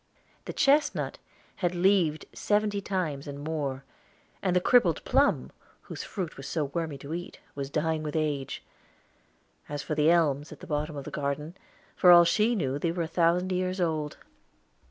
The chestnut had leaved seventy times and more; and the crippled plum, whose fruit was so wormy to eat, was dying with age. As for the elms at the bottom of the garden, for all she knew they were a thousand years old.